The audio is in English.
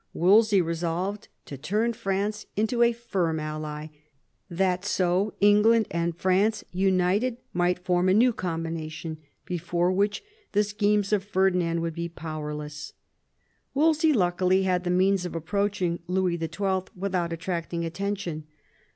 Wolsey resolved to turn France into a firm ally, that so England and France united might form a new combination, before which the schemes of Ferdinand would be powerless, Wolsey luckily had the means of approaching Louis XIL without attracting attention.